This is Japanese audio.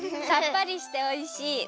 さっぱりしておいしい！